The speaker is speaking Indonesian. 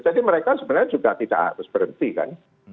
mereka sebenarnya juga tidak harus berhenti kan